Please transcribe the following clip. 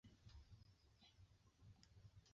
همدا نن یې پیل کړو.